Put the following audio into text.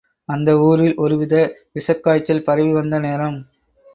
அந்த ஊரில், ஒருவித விஷக் காய்ச்சல் பரவி வந்த நேரம்.